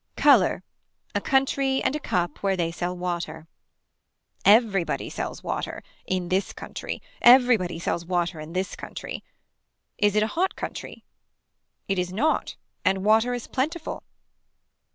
Color. A country and a cup where they sell water. Everybody sells water. In this country. Everybody sells water in this country. Is it a hot country. It is not and water is plentiful.